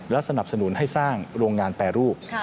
และสนับสนุนให้สร้างโรงงานแปรรูป